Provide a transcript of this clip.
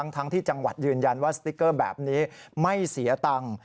ทั้งที่จังหวัดยืนยันว่าสติ๊กเกอร์แบบนี้ไม่เสียตังค์